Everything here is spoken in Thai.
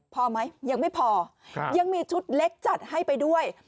พอไหมยังไม่พอยังมีชุดเล็กจัดให้ไปด้วย